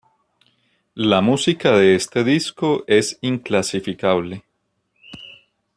La música de este disco es inclasificable.